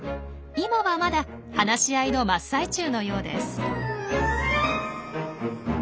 今はまだ話し合いの真っ最中のようです。